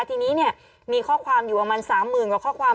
ทีนี้มีข้อความอยู่ประมาณ๓๐๐๐กว่าข้อความ